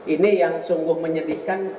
ini yang sungguh menyedihkan